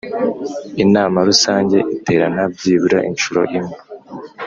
Inama rusange iterana byibura inshuro imwe